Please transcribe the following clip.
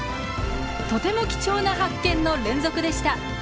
とても貴重な発見の連続でした。